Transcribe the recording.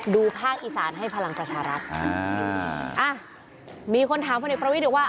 ดูภาคอิสรให้พลังประชารักษ์อ่าอ่ามีคนถามพลเอกประวิทย์ว่า